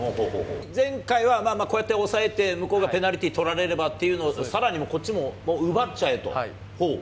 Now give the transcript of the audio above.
前回はこうやって押さえて、向こうがペナルティー取られればっていうのを、さらにこっちも奪っちゃえと。